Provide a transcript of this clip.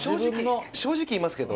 正直言いますけど。